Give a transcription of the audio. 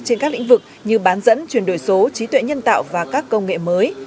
trên các lĩnh vực như bán dẫn chuyển đổi số trí tuệ nhân tạo và các công nghệ mới